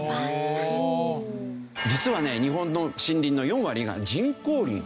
実はね日本の森林の４割が人工林。